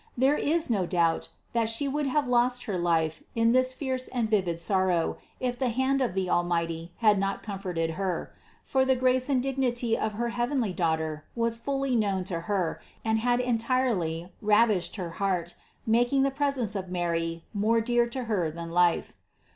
There is no doubt, that she would have lost her life in this fierce and vivid sorrow, if the hand of the Almighty had not comforted her: for the grace and dignity of her heavenly Daughter was fully known to her and had entirely ravished her heart, making the presence of Mary more dear to her than life.